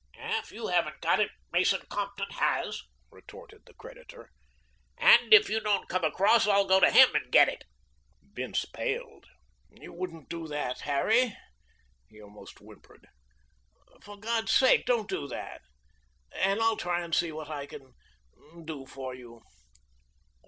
"If you haven't got it, Mason Compton has," retorted the creditor, "and if you don't come across I'll go to him and get it." Bince paled. "You wouldn't do that, Harry?" he almost whimpered. "For God's sake, don't do that, and I'll try and see what I can do for you."